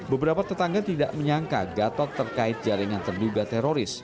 beberapa tetangga tidak menyangka gatot terkait jaringan terduga teroris